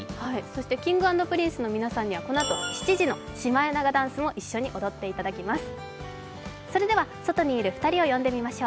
そしてＫｉｎｇ＆Ｐｒｉｎｃｅの皆さんにはこのあと、７時のシマエナガダンスも一緒に踊っていただきます。